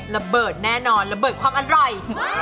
ระเบิดแน่นอนระเบิดความอร่อย